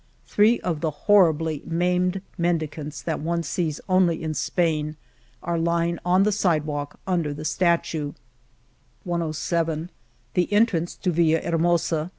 Three of the horribly maimed mendicants, that one sees only in Spain, are lying on the sidewalk under the statuCy ........ lOS List of Illustrations The entrance to Villakermosd.